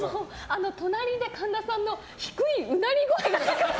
隣で神田さんの低いうなり声が聞こえて。